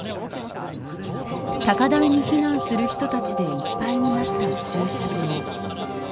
高台に避難する人たちでいっぱいになった駐車場。